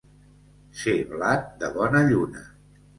Ser blat de bona lluna.